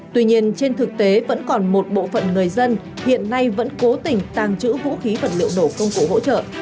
tuy nhiên trên thực tế vẫn còn một bộ phận người dân hiện nay vẫn cố tình tàng trữ vũ khí vật liệu nổ công cụ hỗ trợ